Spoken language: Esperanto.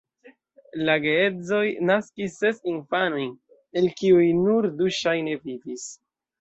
La geedzoj naskis ses infanojn, el kiuj nur du ŝajne vivis.